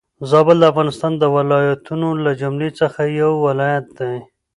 زابل د افغانستان د ولايتونو له جملي څخه يو ولايت دي.